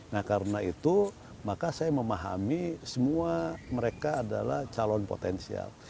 nah karena itu maka saya memahami semua mereka adalah calon potensial